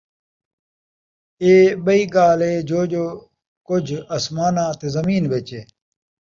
اِیہ ٻئی ڳالھ ہے جو جو کُجھ اَسماناں تے زمین وِچ ہے،